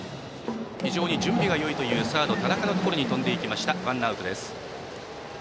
非常に準備がよいというサード、田中のところに飛んでいってワンアウトです。